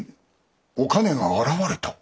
おかねが現れた？